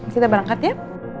kita berangkat ya